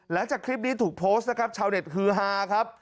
หลังจากคลิปนี้ถูกโพสต์นะครับชาวเน็ตฮือฮาครับ